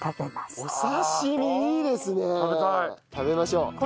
食べましょう。